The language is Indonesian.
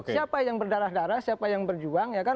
siapa yang berdarah darah siapa yang berjuang